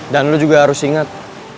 dan lo juga harus ingat